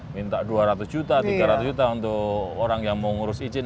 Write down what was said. minta dua ratus juta tiga ratus juta untuk orang yang mau ngurus izin